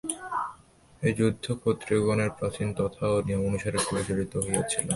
এই যুদ্ধ ক্ষত্রিয়গণের প্রাচীন প্রথা ও নিয়ম অনুসারে পরিচালিত হইয়াছিল।